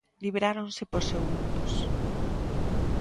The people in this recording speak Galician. Libráronse por segundos.